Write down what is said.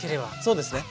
そうですね。